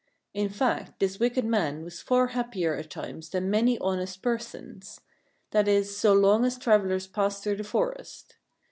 In fact, this wicked man was far happier at times than many honest per sons; that is, so long as travellers passed through the forest.